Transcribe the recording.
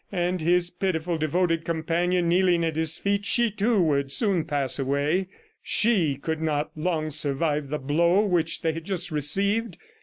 And his pitiful, devoted companion kneeling at his feet, she, too, would soon pass away. She could not long survive the blow which they had just received.